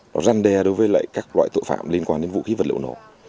nó răn đe đối với các loại tội phạm liên quan đến vũ khí vật liệu nổ